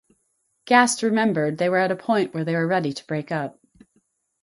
Gast remembered They were at a point where they were ready to break up.